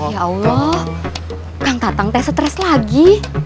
ya allah kang tatang tersetres lagi